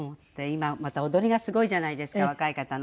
今また踊りがすごいじゃないですか若い方の。